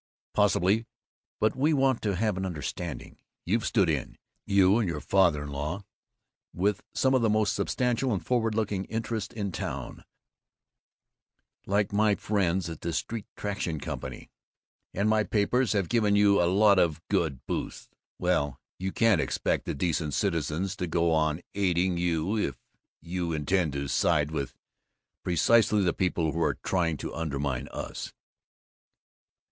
"Possibly, but we want to have an understanding. You've stood in, you and your father in law, with some of the most substantial and forward looking interests in town, like my friends of the Street Traction Company, and my papers have given you a lot of boosts. Well, you can't expect the decent citizens to go on aiding you if you intend to side with precisely the people who are trying to undermine us."